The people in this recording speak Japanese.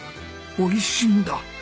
おいしいんだ。